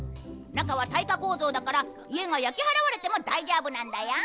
中は耐火構造だから家が焼き払われても大丈夫なんだよ